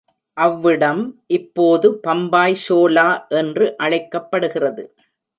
அவ்விடம் இப்போது பம்பாய் ஷோலா என்று அழைக்கப்படுகிறது.